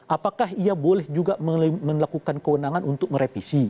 apakah ia boleh juga melakukan kewenangan untuk merevisi